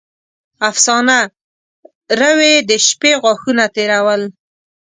افسانه: روې د شپې غاښونه تېرول.